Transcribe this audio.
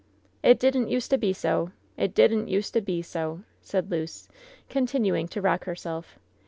"It didn't use to be so ! It didn't use to be so I" said Luce, continuing to rock herself.